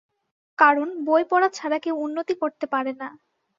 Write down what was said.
কারণ, বই পড়া ছাড়া কেউ উন্নতি করতে পারে না।